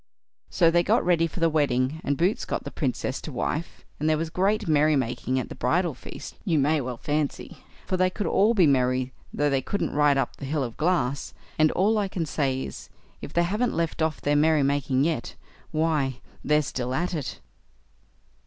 So they got ready for the wedding, and Boots got the Princess to wife, and there was great merry making at the bridal feast, you may fancy, for they could all be merry though they couldn't ride up the hill of glass; and all I can say is, if they haven't left off their merry making yet, why, they're still at it.